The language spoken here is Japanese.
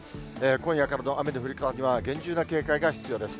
今夜からの雨の降り方には厳重な警戒が必要です。